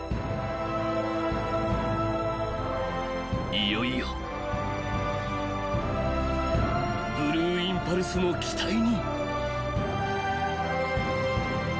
［いよいよブルーインパルスの機体に］